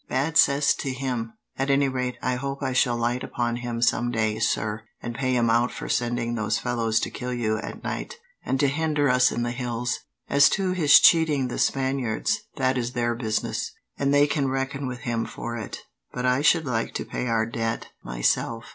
"Bad cess to him! At any rate, I hope I shall light upon him some day, sir, and pay him out for sending those fellows to kill you at night, and to hinder us in the hills. As to his cheating the Spaniards, that is their business, and they can reckon with him for it; but I should like to pay our debt myself."